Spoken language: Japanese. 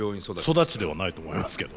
育ちではないと思いますけど。